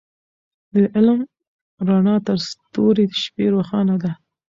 د علم رڼا تر تورې شپې روښانه ده.